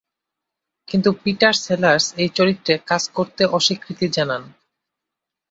কিন্তু Peter Sellers এই চরিত্রে কাজ করতে অস্বীকৃতি জানান।